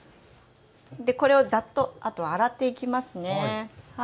これをザッとあとは洗っていきますね。